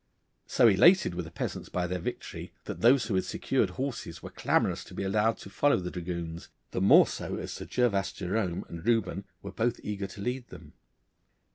So elated were the peasants by their victory, that those who had secured horses were clamorous to be allowed to follow the dragoons, the more so as Sir Gervas Jerome and Reuben were both eager to lead them.